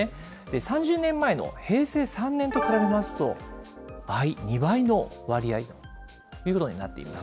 ３０年前の平成３年と比べますと、倍、２倍の割合ということになっています。